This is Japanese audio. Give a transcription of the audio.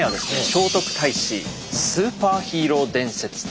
「聖徳太子スーパーヒーロー伝説」です。